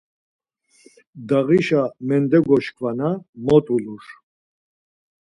Ndağişa mendegoşkvanna mot ulur.